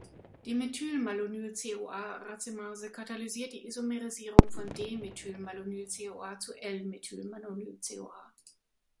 Die Methylmalonyl-CoA-Racemase katalysiert die Isomerisierung von D-Methylmalonyl-CoA zu L-Methylmalonyl-CoA.